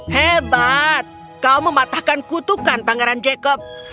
hebat kau mematahkan kutukan pangeran jacob